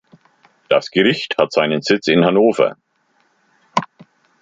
Das Gericht hat seinen Sitz in Hannover.